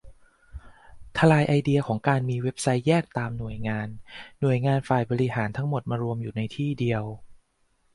ทลายไอเดียของการมีเว็บไซต์แยกตามหน่วยงาน หน่วยงานฝ่ายบริหารทั้งหมดมารวมอยู่ในที่เดียว